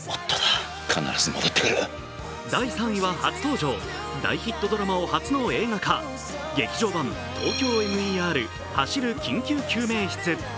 第３位は初登場、大ヒットドラマを発表の映画化、劇場版「ＴＯＫＹＯＭＥＲ走る緊急救命室」。